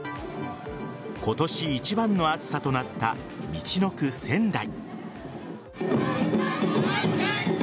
今年一番の暑さとなったみちのく仙台。